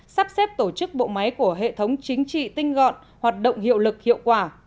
sắp xếp tổ chức bộ máy của hệ thống chính trị tinh gọn hoạt động hiệu lực hiệu quả